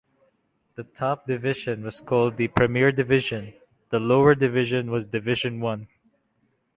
The top division was called the Premier Division, the lower division was Division One.